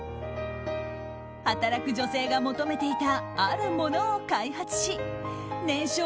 働く女性が求めていたあるものを開発し年商